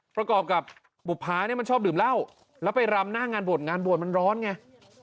ประกอบกับบุภาเนี่ยมันชอบดื่มเหล้าแล้วไปรำหน้างานบวชงานบวชมันร้อนไง